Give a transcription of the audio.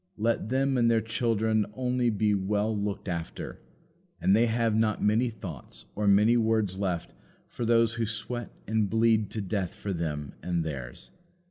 Let them and their children only be well looked after, and they have not many thoughts or many words left for those who sweat and bleed to death for them and theirs.